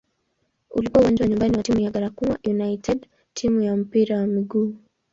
Ulikuwa uwanja wa nyumbani wa timu ya "Garankuwa United" timu ya mpira wa miguu.